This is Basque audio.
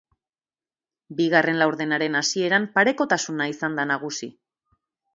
Bigarren laurdenaren hasieran parekotasuna izan da nagusi.